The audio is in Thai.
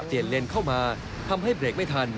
เปลี่ยนเลนเข้ามาทำให้เบรกไม่ทัน